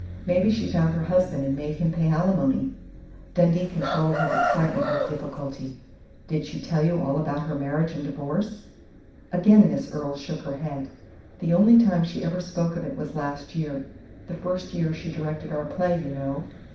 Maybe she found her husband and made him pay alimony " Dundee controlled his excitement with difficulty. "Did she tell you all about her marriage and divorce?" Again Miss Earle shook her head. "The only time she ever spoke of it was last year the first year she directed our play, you know.